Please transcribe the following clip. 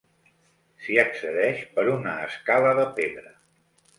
S'hi accedeix per una escala de pedra.